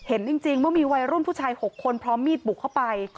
เห็นจริงว่ามีวัยรุ่นผู้ชาย๖คนพร้อมมีดบุกเข้าไป